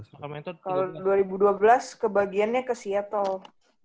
kalau dua ribu dua belas kebagiannya ke seattle